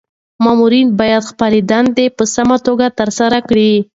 مامورین باید خپلي دندي په سمه توګه ترسره کړي.